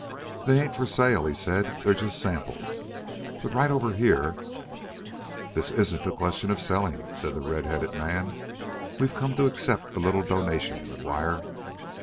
"They ain't for sale," he said. "They's just samples. But right over here " "This isn't a question of selling," said the red headed man. "We've come to accept a little donation, McGuire."